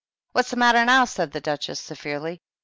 "What's the matter Twwf^ said the Duchess, severely.